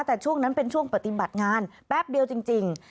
แต่ช่วงนั้นเป็นช่วงปฏิบัติงานแป๊บเดียวจริง